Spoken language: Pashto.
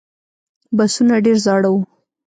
بسونه ډېر زاړه و.